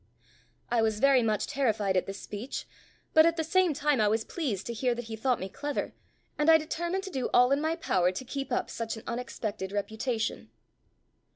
I was very much terrified at this speech, but at the same time I was pleased to hear that he thought me clever, and I determined to do all in my power to keep up such an unexpected reputation.